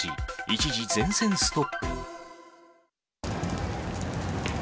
一時全線ストップ。